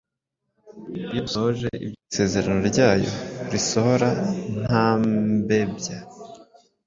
Iyo dusohoje ibyo, isezerano ryayo risohora nta mbebya.